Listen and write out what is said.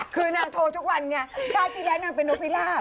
คือนางโทรทุกวันไงชาติที่แล้วนางเป็นนกพิราบ